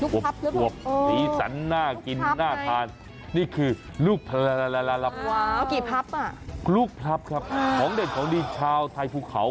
โผล่ของหนีสันหน้ากินหน้าทานนี่คือลูกพลับว่ามีพัปะลูกพลับครับย้อนเด็ดของดีชาวไทยภูเขา